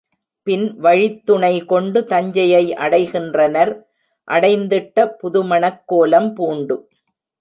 பின் வழித்துணை கொண்டு தஞ்சையை அடைகின்றனர், அடைந்திட்ட புதுமணக் கோலம் பூண்டு!